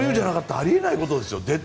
あり得ないことですよ。